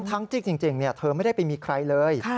ทั้งจริงเนี่ยเธอไม่ได้ไปมีใครเลย